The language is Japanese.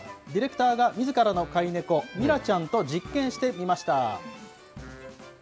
ディレクターがみずからの飼い猫、ミラちゃんと実験してみました。